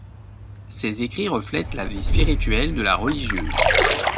Ces écrits reflètent la vie spirituelle de la religieuse.